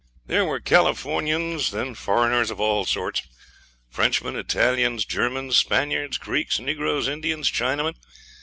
There were Californians, then foreigners of all sorts Frenchmen, Italians, Germans, Spaniards, Greeks, Negroes, Indians, Chinamen.